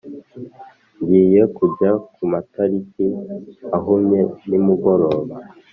ngiye kujya kumatariki ahumye nimugoroba.